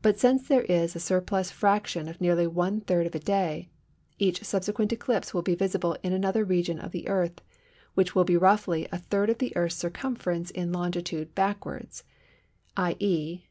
But since there is a surplus fraction of nearly one third of a day, each subsequent eclipse will be visible in another region of the Earth, which will be roughly a third of the Earth's circumference in longitude backwards (_i.e.